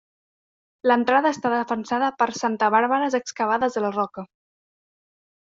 L'entrada està defensada per santabàrbares excavades a la roca.